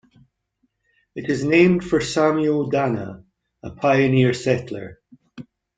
It is named for Samuel Dana, a pioneer settler.